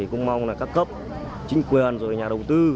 cũng mong các cấp chính quyền nhà đầu tư